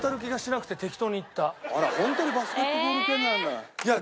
あらホントにバスケットボール系なんだ。え！